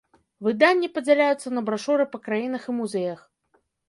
Выданні падзяляюцца на брашуры па краінах і музеях.